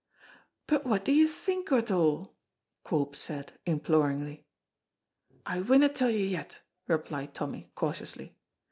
"But what do you think o't a'?" Corp said, imploringly. "I winna tell you yet," replied Tommy, cautiously.